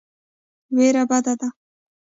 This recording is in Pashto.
وېره بده ده.